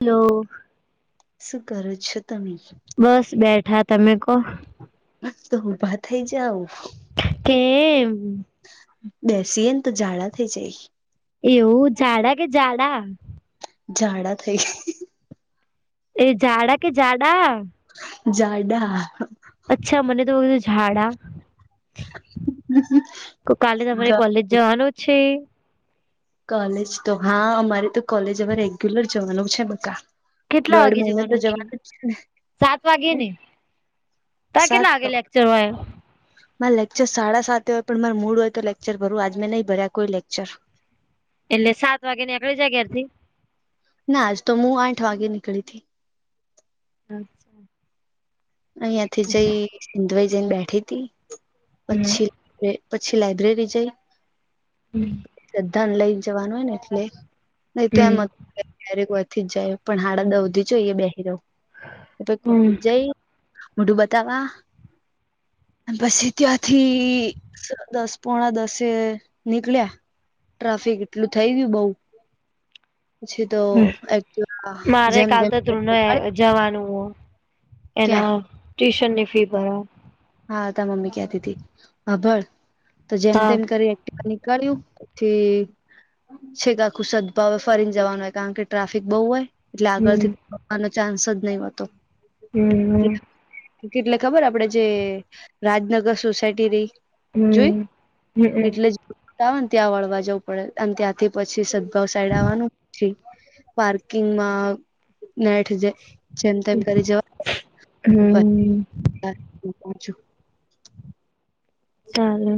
Hello! શું કરો છો તમે? બસ બેઠા. તમે કો! તો ઉભા થઈ જાવ. કેમ? બેસીએને તો જાડા થઈ જાય. એવું! જાડા કે ઝાડા? ઝાડા થઈ જાય. એ જેડા કે ઝાડા? જાડા! અચ્છા! મને થયું કે ઝાડા. [unintelligible] તો કાલે તમારે કોલેજ જવાનું છે? કોલેજ તો હા. અમારે તો કોલેજ હવે રેગ્યુલર જવાનું છે બકા. કેટલા દોઢ વાગે મહિનો તો જવાનું છે? જ ને સાત વાગે ને. તારા સાત કેટલા વાગે લેક્ચર હોય? મારે લેક્ચર સાડા સાતએ હોય પણ, મારે મૂડ હોય તો લેક્ચર ભરું. આજ મેં નહીં ભર્યા કોઈ લેક્ચર. એટલે સાત વાગ્યે નેકળી જાય ઘેરથી? ના આજ તો હું આઠ વાગે નીકળી તી. અચ્છા. અહિયા થી જઈ ધોઈ જઈને બેઠી તી. પછી પછી લાયબ્રેરી જઈ હમ. લધાન લઈ જવાનું હોય ને એટલે. નહી તો એમ જ કારેક થી જાય. પણ હાડા નવથી જોઈએ બેહી રહું. કે હમ જય મોઢું બતાવા. અને પછી ત્યાંથી દસ પોણા દસે નીકળ્યા. ટ્રાફિક એટલું થઈ ગયું બઉુ. પછી તો, હમ એક્ટિવા મારે જેમ કાલ તેમ તો કરીને ધ્રુવને નીકાળી. જવાનું. એના ટ્યુશનની ફી ભરાવા હા તાર મમ્મી કતી તી. હાભળ તો જેમ હા તેમ કરી એક્ટ નીકળ્યું. પછી સીધા કુસદભાવે ફરીને જવાનું હોય. કારણ કે, ટ્રાફિક બહુ હોય. એટલે હમ આગળથી પપ્પાનો ચાન્સ જ ન હતો. હમ. કેટલે ખબર આપડે જે, રાજનગર સોસાયટી રહી. જોઈ? હમ હમ એટલે જ આવે ને ત્યાં વળવા જવું પડે. અને ત્યાંથી પછી અસાઈડ આવવાનું. પછી પાર્કિંગમાં નાઇટે જાય. જેમ તેમ કરી જવા હમ [unintelligible] ચાલો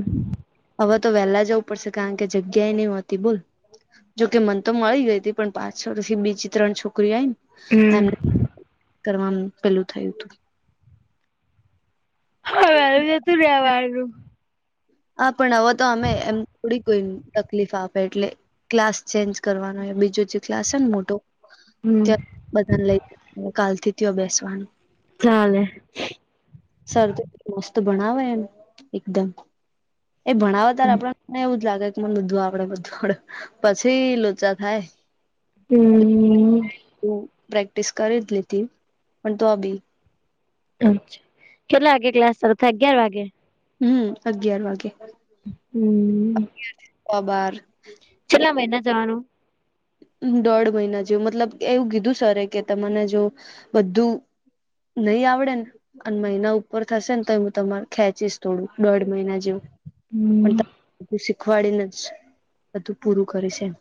હવે તો વહેલા જવું પડશે! કારણ કે, જગ્યાએ નહી હોતી બોલ. જોકે મન તો મળી ગઈ હતી. પણ પાછળથી બીજી ત્રણ છોકરી આઈ ને. હમ કરવાનું પેલું થાય તો હવે નથી રેવાતું હા પણ હવે તો અમે એમ થોડી કોઈ તકલીફ આપે એટલે ક્લાસ ચેન્જ કરવાનો એ બીજો જે ક્લાસ છે ને મોટો હમ ત્યાં બધને લઈન કાલ થી ત્યાં બેસવાનું ચાલે સર તો મસ્ત ભણાવે [unintelligible] એકદમ એ ભણાવે ત્યારે હમ આપડે મને એવું જ લાગે કે બધું આવડે બધું આવડે પછી લોચા થાય હમ તું પ્રેક્ટિસ કરી જ લી હતી પણ ત અભી અચ્છા કેટલા વાગે ક્લાસ શરૂ થાય અગિયાર વાગે. હમ અગિયાર વાગે હમ અગિયાર થી બાર કેટલા મહિના જવાનું દોઢ મહિના જેવુ મતલબ એવું કીધું સર કે તમને જો બધું નહી આવડે અને મહિના ઉપર થશે ને તો એ હું તમાર ખેંચીશ થોડું દોઢ મહિના જેવું. હમ પણ ત બધું શીખવાડીને જ બધું પૂરું કરીશ એમ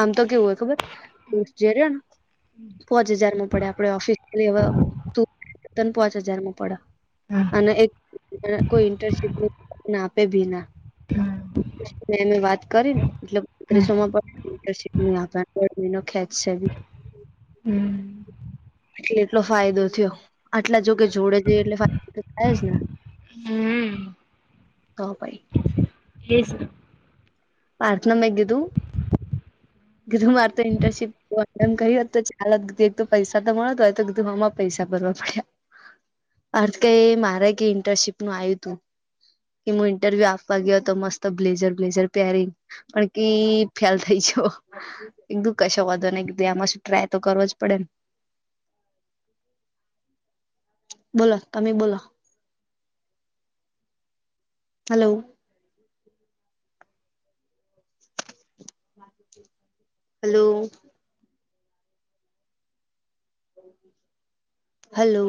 આમ તો કેવું હોય ખબર [unintelligible] પોંચ હજારમાં પડે આપડે ઓફિસ [unintelligible] પોંચ હજાર માં પડે હમ અને કોઇ ઇન્ટર્નશીપ ના આપે ભીના હા એ વાત કરીને [unintelligible] હા ગરમી નો ખેચ છે બી હમ કેટલો ફાયદો થયો. આટલા જોકે જોડે છે એટલે ફાયદો તો થાય જ ને. હમ હ ભાઈ [unintelligible] પાથૅ મેં કીધું કીધું માર તો ઇન્ટર્નશિપ એમ કહ્યુંત તો ચાલત દીધું એક તો પૈસા તો મળતો હોય તો દીધું મામા પૈસા ભરવા પડ્યા અર્થ કઈ મારે કે ઇન્ટર્નશીપ નું આયુ તું હું ઇન્ટરવ્યુ આપવા ગયો તો મસ્ત બ્લેઝર બ્લેઝર ત્યારે પણ ક ફેલ થઈ છો. કીધું કશો વધો ને આમાં શું ટ્રાય તો કરો જ પડે ને બોલો તમે બોલો હલો હલો હાલો